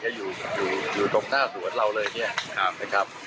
จะอยู่อยู่ตรงหน้าสวนเราเลยเนี่ยนะครับ